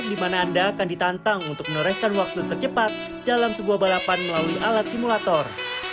di mana anda akan ditantang untuk menorehkan waktu tercepat dalam sebuah balapan melalui alat simulator